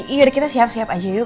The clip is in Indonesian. iya udah kita siap siap aja yuk